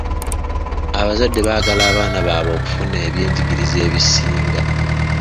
Abazadde baagala abaana baabwe okufuna ebyenjigiriza ebisinga.